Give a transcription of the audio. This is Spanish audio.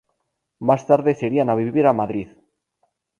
Más tarde se irían a vivir a Madrid.